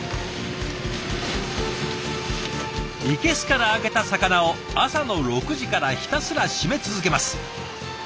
生けすから揚げた魚を朝の６時からひたすら締め続けます。